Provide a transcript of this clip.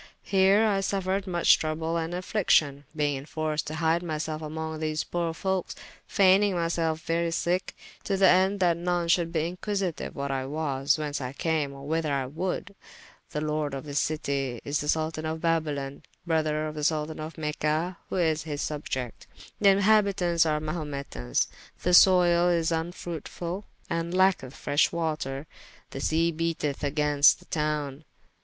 Heere I suffered muche trouble and affliction, beyng enforced to hyde myselfe among these poore folkes, fayning myselfe very sicke, to the ende that none should be inquisityue what I was, whence I came, or whyther I would. The lord of this citie is the Soltan of Babylon, brother to the Soltan of Mecha, who is his subiecte. The inhabitauntes are Mahumetans. The soyle is vnfruitfull, and lacketh freshe water. The sea beateth agaynst the towne.